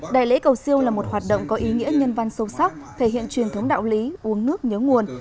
đại lễ cầu siêu là một hoạt động có ý nghĩa nhân văn sâu sắc thể hiện truyền thống đạo lý uống nước nhớ nguồn